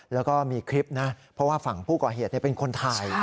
แล้วก็มีคลิปนะเพราะว่าฝั่งผู้ก่อเหตุเป็นคนถ่าย